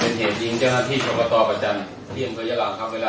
อันนี้มีเหตุการณ์ล้อมธรรมิเหตุครั้งหนึ่ง